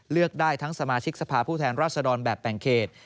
เลือกได้ทั้งสมาชิกสภาพผู้แทนราชดรแบบแบ่งเขต